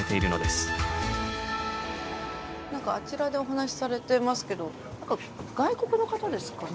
何かあちらでお話しされてますけど外国の方ですかね？